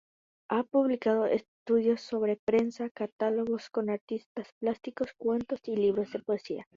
Ha publicado estudios sobre prensa, catálogos con artistas plásticos, cuentos y libros de poesía.